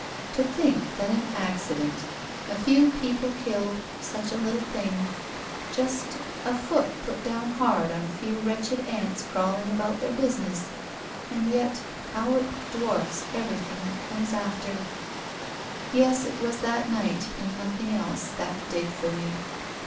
To think that an accident, a few people killed, such a little thing, — just A Foot, put down hard on a few wretched ants crawling about their business — and yet, how it dwarfs everything that comes after! Yes, it was that night, and nothing else, that did for me.